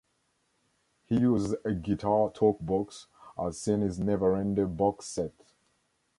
He uses a guitar talk box, as seen in Neverender Box Set.